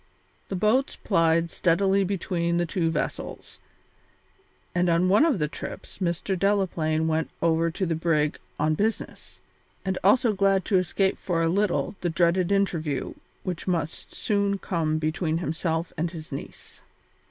The boats plied steadily between the two vessels, and on one of the trips Mr. Delaplaine went over to the brig on business, and also glad to escape for a little the dreaded interview which must soon come between himself and his niece.